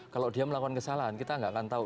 kalau dia melakukan kesalahan kita nggak akan tahu